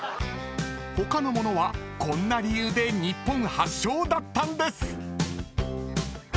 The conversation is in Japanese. ［他のものはこんな理由で日本発祥だったんです！］